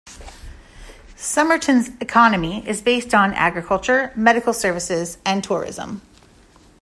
Somerton's economy is based on agriculture, medical services, and tourism.